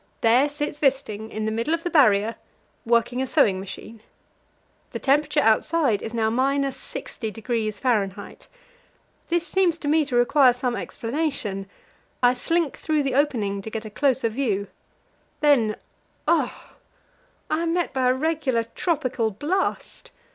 There sits Wisting, in the middle of the Barrier, working a sewing machine. The temperature outside is now 60°F. This seems to me to require some explanation; I slink through the opening to get a closer view. Then ugh! I am met by a regular tropical blast.